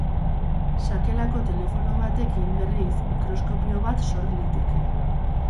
Sakelako telefono batekin, berriz, mikroskopio bat sor liteke.